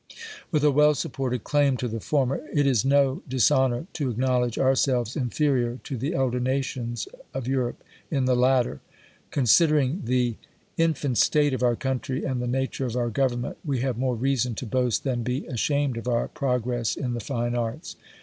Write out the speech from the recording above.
With a well supported claim to the former, it is no dishonor to acknowledge ourselves inferiour to the elder nations of Europe in the latter. Considering the in fant THE COLUMBIAN ORATOR. 290 lant state of our country, and the nature of our gov ernment, we have more reason to boast, than be asham ed of our progress in the fine arts.